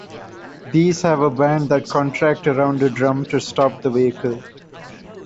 These have a band that contract around a drum to stop the vehicle.